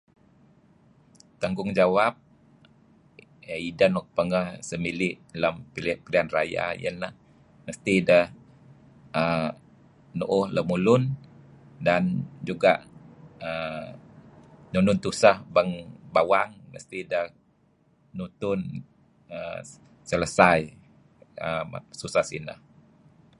Tangungjawab idah nuk pangah sah mili' lem pilihanraya iyeh neh um nu'uh lemulun dan juga' um nun nun tusah bang bawang masti ideh um nutun err selesai suseh sinah.